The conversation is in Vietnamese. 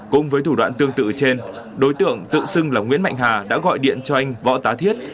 cũng với thủ đoạn tương tự trên đối tượng tự xưng là nguyễn mạnh hà đã gọi điện cho anh võ tá thiết